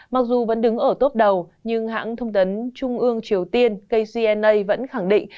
mặc dù vẫn đứng ở tốp đầu nhưng hãng thông tấn trung ương triều tiên kcna vẫn khẳng định